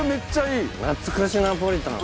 なつかしナポリタン。